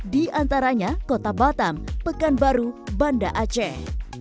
diantaranya kota batam pekanbaru banda aceh